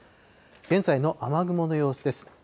現在の雨雲の様子です。